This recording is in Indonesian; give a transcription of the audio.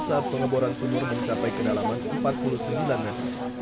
saat pengeboran sumur mencapai kedalaman empat puluh sembilan meter